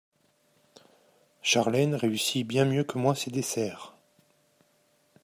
Charlène réussit bien mieux que moi ses desserts.